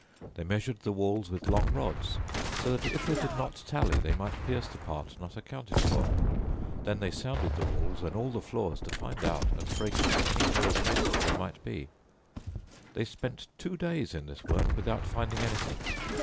They measured the walls with long rods, so that if they did not tally they might pierce the part not accounted for. Then they sounded the walls and all the floors to find out and break into any hollow places there might be. "They spent two days in this work without finding anything.